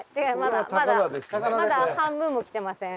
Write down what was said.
まだまだ半分も来てません。